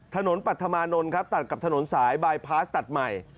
ปัธมานนท์ครับตัดกับถนนสายบายพาสตัดใหม่